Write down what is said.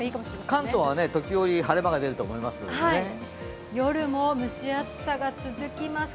関東はときおり晴れ間が出ると思います。